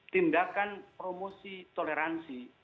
tindakan promosi toleransi